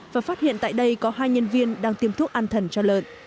và phát hiện tại đây có hai nhân viên đang tiêm thuốc an thần cho lợn